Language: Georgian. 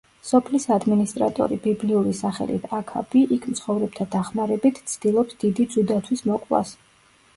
სოფლის ადმინისტრატორი, ბიბლიური სახელით აქაბი, იქ მცხოვრებთა დახმარებით, ცდილობს დიდი ძუ დათვის მოკვლას.